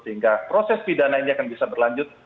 sehingga proses pidana ini akan bisa berlanjut